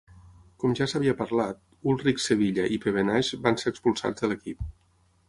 Com ja s'havia parlat, Ullrich, Sevilla i Pevenage van ser expulsats de l'equip.